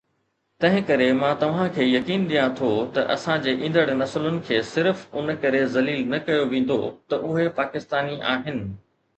تنهن ڪري مان توهان کي يقين ڏيان ٿو ته اسان جي ايندڙ نسلن کي صرف ان ڪري ذليل نه ڪيو ويندو ته اهي پاڪستاني آهن